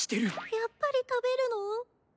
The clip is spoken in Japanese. やっぱり食べるの？